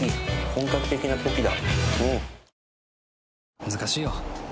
本格的なポキだ。